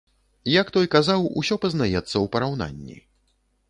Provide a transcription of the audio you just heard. Як той казаў, усё пазнаецца ў параўнанні.